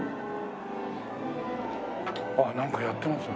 あっなんかやってます。